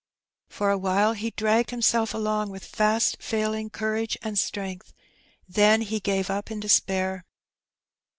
For awhile he dragged himself along with &st failing courage and strength; then he gave up in despair.